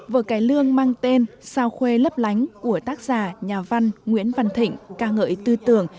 vở cải lương mang tên sao khuê lấp lánh của tác giả nhà văn nguyễn văn thịnh ca ngợi tư tưởng